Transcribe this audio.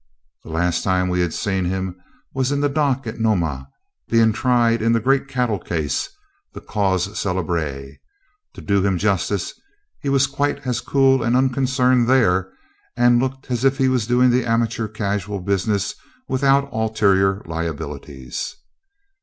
The last time we had seen him was in the dock at Nomah, being tried in the great cattle case, that "cause celebre". To do him justice, he was quite as cool and unconcerned there, and looked as if he was doing the amateur casual business without ulterior liabilities.